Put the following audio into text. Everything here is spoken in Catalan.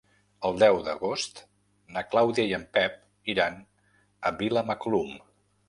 El deu d'agost na Clàudia i en Pep iran a Vilamacolum.